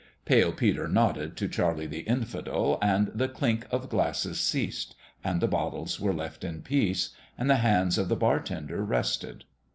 Pale Peter nodded to Charlie the Infidel ; and the clink of glasses ceased and the bottles were left in peace and the hands of the bartender rested.